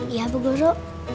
iya bu guru